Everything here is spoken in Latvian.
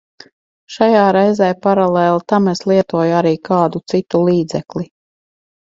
Šajā reizē paralēli tam es lietoju arī kādu citu līdzekli.